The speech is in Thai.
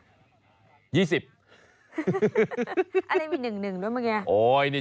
อันนี้มี๑ด้วยเมื่อกี้